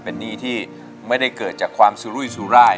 เป็นหนี้ที่ไม่ได้เกิดจากความสุรุยสุราย